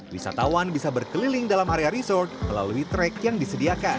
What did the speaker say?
wisatawan bisa berkeliling dalam area resort melalui track yang disediakan